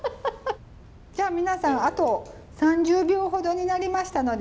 じゃあ皆さんあと３０秒ほどになりましたので。